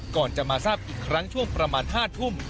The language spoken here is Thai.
ก่อนจะมาทราบอีกครั้งช่วงประมาณ๕ทุ่ม